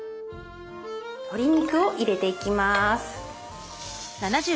鶏肉を入れていきます。